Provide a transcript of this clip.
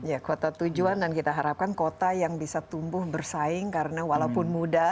ya kota tujuan dan kita harapkan kota yang bisa tumbuh bersaing karena walaupun muda